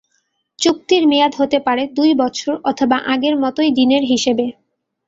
চুক্তির মেয়াদ হতে পারে দুই বছর অথবা আগের মতোই দিনের হিসেবে।